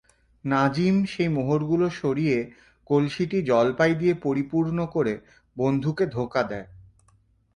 নাজিম সেই মোহরগুলো সরিয়ে কলসিটি জলপাই দিয়ে পরিপূর্ণ করে বন্ধুকে ধোঁকা দেয়।